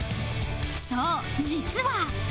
そう実は